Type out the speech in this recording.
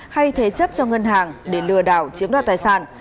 hay thế chấp cho ngân hàng để lừa đảo chiếm đoạt tài sản